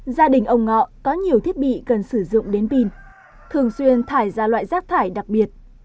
gia đình ông ngọ có nhiều thiết bị cần sử dụng đến pin thường xuyên thải ra loại rác thải đặc biệt